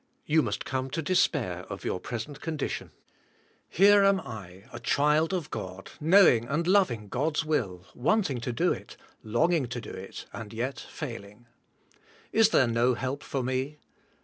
You must come to despair of your present condition. Here am I, a child of God, knowing and loving God's will, want ing to do it, long ing to do it and yet failing . Is there no help for me?